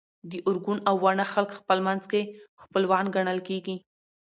د ارګون او واڼه خلک خپل منځ کي خپلوان ګڼل کيږي